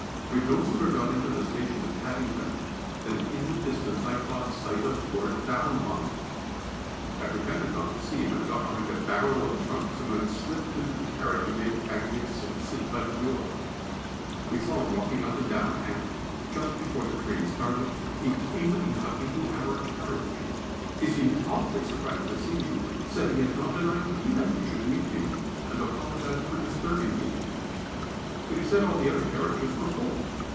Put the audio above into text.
We had no sooner got into the station at Paddington than in the distance I caught sight of Lord Valmond. I pretended not to see him, and got behind a barrow of trunks, and then slipped into the carriage and made Agnès sit by the door. We saw him walking up and down, and, just before the train started, he came and got into our carriage. He seemed awfully surprised to see me, said he had not an idea he should meet me, and apologised for disturbing me, but he said all the other carriages were full.